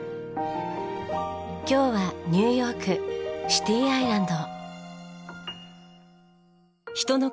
今日はニューヨークシティアイランド。